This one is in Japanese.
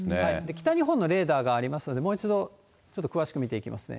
北日本のレーダーがありますので、もう一度詳しく見ていきますね。